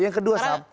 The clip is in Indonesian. yang kedua sam